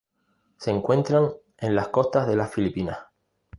Se encuentran en las costas de las Filipinas.